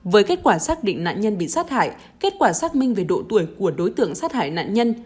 với kết quả xác định nạn nhân bị sát hại kết quả xác minh về độ tuổi của đối tượng sát hại nạn nhân